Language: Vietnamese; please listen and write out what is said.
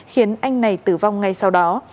khiến anh này tử vong ngay sau đó